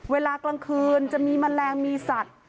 เวลากลางคืนจะมีแมลงมีสัตว์